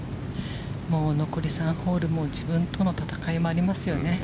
残り３ホール自分との戦いもありますよね。